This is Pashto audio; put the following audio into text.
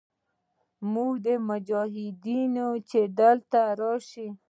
زموږ مجاهدین چې دلته راشي.